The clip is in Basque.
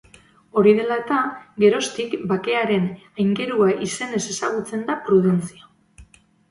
Hori dela eta, geroztik Bakearen Aingerua izenez ezagutzen da Prudentzio.